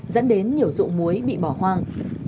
dẫn đến nhiều rụng muối bị bỏ hoang